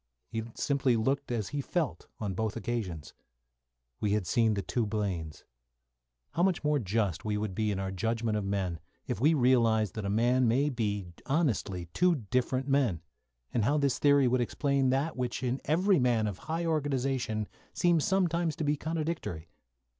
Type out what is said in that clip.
He simply looked as he felt on both occasions. We had seen the two Blaines. How much more just we would be in our judgment of men if we realised that a man may be honestly two different men, and how this theory would explain that which in every man of high organisation seems sometimes to be contradictory!